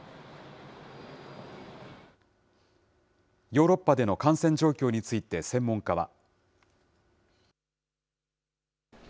ヨーロッパでの感染状況について、専門家は。